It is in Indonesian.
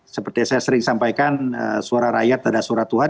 seperti yang saya sering sampaikan suara rakyat pada surat tuhan